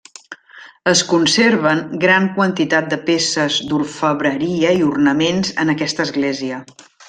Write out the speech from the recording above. Es conserven gran quantitat de peces d'orfebreria i ornaments en aquesta església.